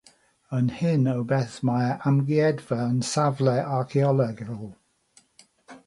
Yn hyn o beth mae'r amgueddfa'n safle archeolegol.